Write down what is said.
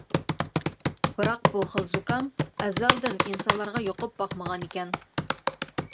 بىراق بۇ خىل زۇكام ئەزەلدىن ئىنسانلارغا يۇقۇپ باقمىغانىكەن.